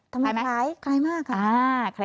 ทำไมคล้ายมากค่ะ